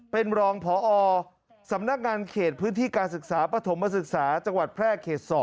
เป็นรองขรสำนักงานเขตพฤทธิกาศึกษาประถมศึกษาจังหวัดแพร่